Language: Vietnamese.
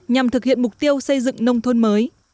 nhằm thực hiện mục tiêu xây dựng nông thôn mới